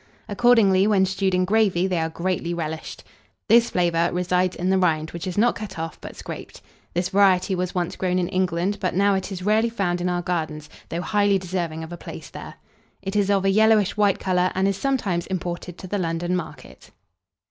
Accordingly, when stewed in gravy, they are greatly relished. This flavour resides in the rind, which is not cut off, but scraped. This variety was once grown in England, but now it is rarely found in our gardens, though highly deserving of a place there. It is of a yellowish white colour, and is sometimes imported to the London market.